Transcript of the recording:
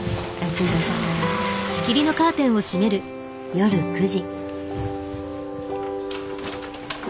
夜９時。